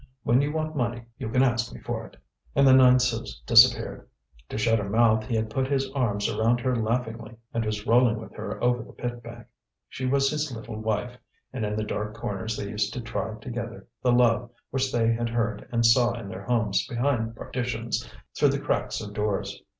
When you want money you can ask me for it." And the nine sous disappeared. To shut her mouth he had put his arms around her laughingly and was rolling with her over the pit bank. She was his little wife, and in the dark corners they used to try together the love which they heard and saw in their homes behind partitions, through the cracks of doors.